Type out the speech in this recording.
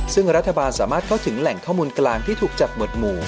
ซึ่งรัฐบาลสามารถเข้าถึงแหล่งข้อมูลกลางที่ถูกจับหมดหมู่